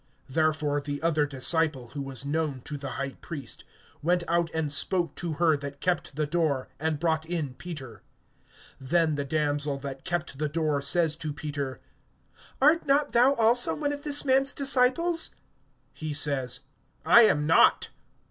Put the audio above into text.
Therefore the other disciple, who was known to the high priest, went out and spoke to her that kept the door, and brought in Peter. (17)Then the damsel that kept the door says to Peter: Art not thou also one of this man's disciples? He says: I am not.